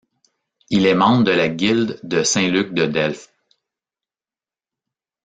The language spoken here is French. Il est membre de la guilde de Saint-Luc de Delft.